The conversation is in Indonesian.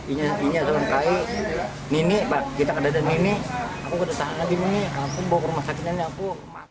ini ini ini ini ini ini aku harus tahan lagi ini aku bawa ke rumah sakit ini aku